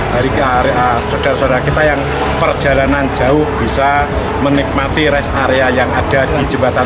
jadi saudara saudara kita yang perjalanan jauh bisa menikmati rest area yang ada di jembatan